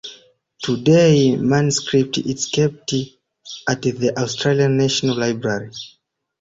Today the manuscript is kept at the Austrian National Library.